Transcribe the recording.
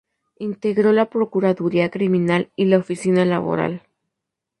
Integró la Procuraduría Criminal y la Oficina Laboral.